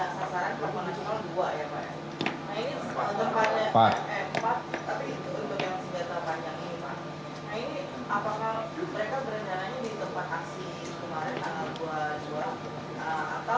nah ini apakah mereka berengananya di tempat aksi kemarin tanggal dua puluh dua